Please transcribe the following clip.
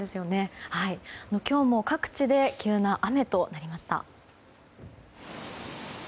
今日も各地で急な雨となりました。